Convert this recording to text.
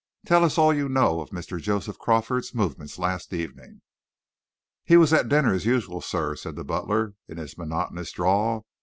Tell us all you know of Mr. Joseph Crawford's movements last evening." "He was at dinner, as usual, sir," said the butler, in his monotonous drawl.